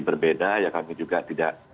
berbeda ya kami juga tidak